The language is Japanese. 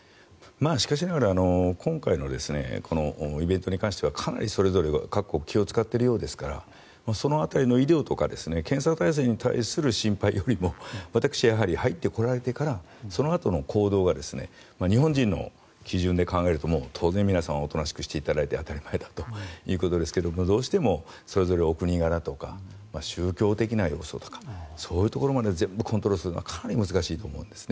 しかしながら今回のイベントに関してはかなりそれぞれ各国気を使っているようですからその辺りの医療とか検査体制に対する心配よりも私はやはり入ってこられてからそのあとの行動が日本人の基準で考えるともう当然、皆さんおとなしくしていただいて当たり前だということですがどうしても、それぞれお国柄とか宗教的な要素とかそういうところまで全部コントロールするのはかなり難しいと思うんですね。